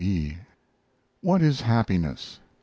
E. WHAT Is HAPPINESS?